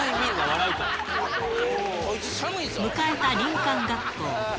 迎えた林間学校。